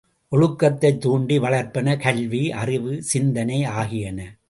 ஒழுக்கத்தைத் தூண்டி வளர்ப்பன கல்வி, அறிவு, சிந்தனை ஆகியன.